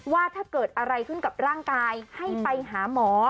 ว่าถ้าเกิดอะไรขึ้นกับร่างกายให้ไปหาหมอ